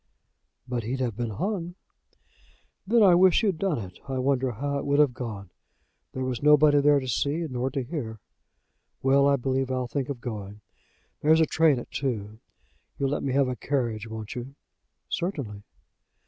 "But he'd have been hung." "Then I wish he'd done it. I wonder how it would have gone. There was nobody there to see, nor to hear. Well; I believe I'll think of going. There's a train at two. You'll let me have a carriage; won't you?" "Certainly."